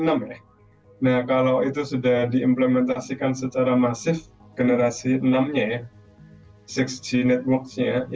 nah kalau itu sudah diimplementasikan secara masif generasi enam nya ya enam g networks nya